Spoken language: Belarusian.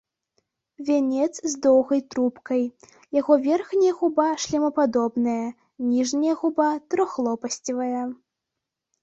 Вянец з доўгай трубкай, яго верхняя губа шлемападобныя, ніжняя губа трохлопасцевая.